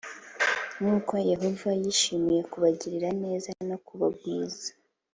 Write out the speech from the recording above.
“Nk’uko Yehova yishimiye kubagirira neza no kubagwiza,